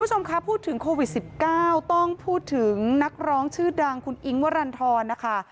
คุณผู้ชมคะพูดถึงโควิด๑๙ต้องพูดถึงนักร้องชื่อดังคุณอิ๊งวรรณฑรนะคะ